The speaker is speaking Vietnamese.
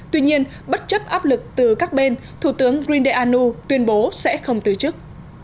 tuy nhiên bất chấp áp lực từ các bên thủ tướng greendeanu tuyên bố sẽ không từ chức